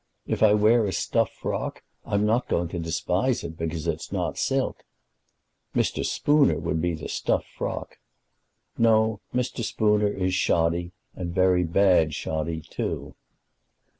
If I wear a stuff frock, I'm not going to despise it because it's not silk." "Mr. Spooner would be the stuff frock." "No; Mr. Spooner is shoddy, and very bad shoddy, too."